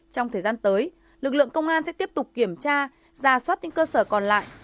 trong thời gian tới lực lượng công an sẽ tiếp tục kiểm tra ra soát những cơ sở còn lại